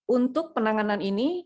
untuk penanganan ini